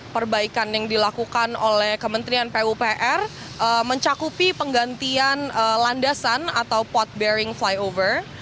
perbaikan yang dilakukan oleh kementerian pupr mencakupi penggantian landasan atau pot bearing flyover